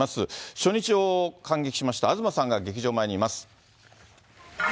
初日を観劇しました東さんが劇場前にいます。